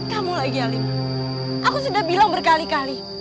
kamu lagi alim aku sudah bilang berkali kali